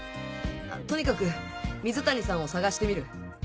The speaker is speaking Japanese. とにかく水谷さんを捜してみる。